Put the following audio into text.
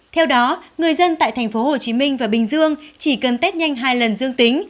theo đó người dân tại thành phố hồ chí minh và bình dương chỉ cần test nhanh hai lần dương tính